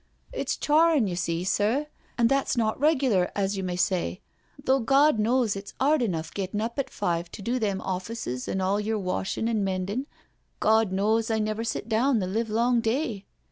" It's charrin', you see, sir, and that's not regular, as you may say— though Gawd knows it's 'ard enough gettin' up at five to do them offices and all yer washing and mendin*. Gawd knows, I never sit down the livelong day."